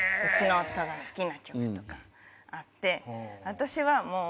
私はもう。